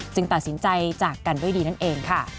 ตัดสินใจจากกันด้วยดีนั่นเองค่ะ